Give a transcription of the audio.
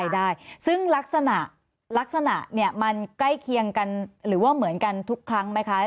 ได้ซึ่งลักษณะลักษณะเนี่ยมันใกล้เคียงกันหรือว่าเหมือนกันทุกครั้งไหมคะ